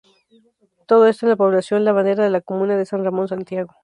Todo esto en la población La Bandera de la comuna de San Ramón, Santiago.